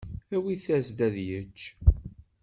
Awit-as-d ad yečč.